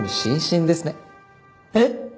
えっ？